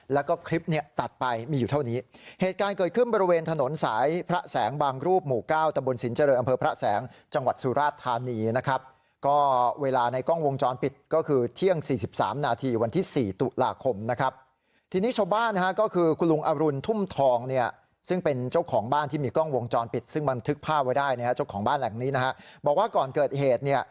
แล้วก็คลิปเนี่ยตัดไปมีอยู่เท่านี้เหตุการณ์เกิดขึ้นบริเวณถนนสายพระแสงบางรูปหมู่เก้าตะบุญสินเจริญอำเภอพระแสงจังหวัดสุราชธานีนะครับก็เวลาในกล้องวงจรปิดก็คือเที่ยงสี่สิบสามนาทีวันที่สี่ตุลาคมนะครับทีนี้ชาวบ้านนะฮะก็คือคุณลุงอารุณทุ่มทองเนี่ยซึ่งเป็นเจ้าของบ้าน